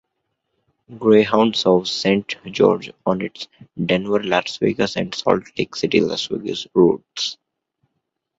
Greyhound serves Saint George on its Denver-Las Vegas and Salt Lake City-Las Vegas routes.